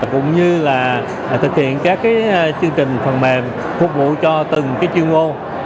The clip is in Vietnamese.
cũng như là thực hiện các chương trình phần mềm phục vụ cho từng chuyên môn